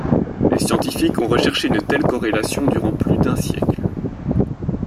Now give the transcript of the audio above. Des scientifiques ont recherché une telle corrélation durant plus d'un siècle.